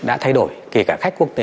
đã thay đổi kể cả khách quốc tế